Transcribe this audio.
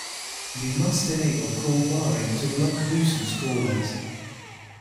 You must enable call barring to block nuisance callers.